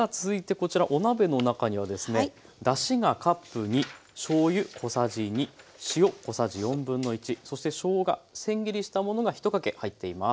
こちらお鍋の中にはですねだしがカップ２しょうゆ小さじ２塩小さじ1/4そしてしょうがせん切りしたものが１かけ入っています。